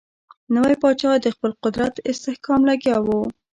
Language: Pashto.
نوی پاچا د خپل قدرت استحکام لګیا وو.